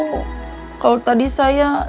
kalau tadi saya